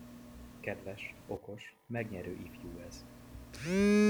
Kedves, okos, megnyerő ifjú ez!